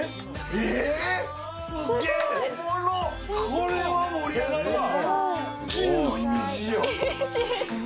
これは盛り上がるわ。